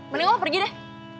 mending lo pergi deh